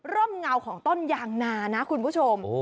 เงาของต้นยางนานะคุณผู้ชม